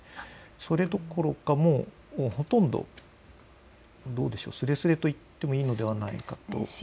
それどころかもうほとんど、どうでしょうか、すれすれといってもいいのではないでしょうか。